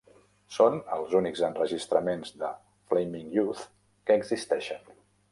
Són els únics enregistraments de Flaming Youth que existeixen.